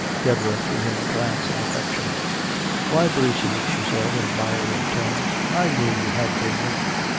Deborah threw him a glance of affection. "Why, Brucie," she said, in admiring tones, "I knew you had it in you."